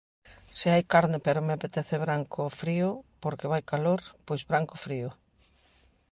Se hai carne pero me apetece branco frío porque vai calor, pois branco frío.